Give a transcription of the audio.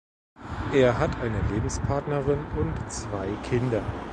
Er hat eine Lebenspartnerin und zwei Kinder.